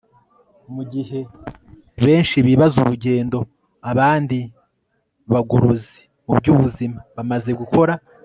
mu gihe benshi bibaza urugendo abandi bagorozi mu by'ubuzima bamaze gukora